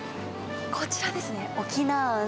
こちらですね。